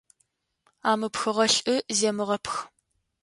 Амыпхыгъэ лӏы земыгъэпх.